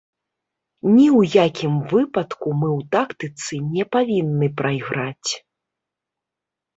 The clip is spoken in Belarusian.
Ні ў якім выпадку мы ў тактыцы не павінны прайграць.